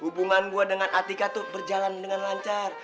hubungan gue dengan atika itu berjalan dengan lancar